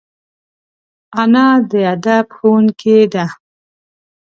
انا د ادب ښوونکې ده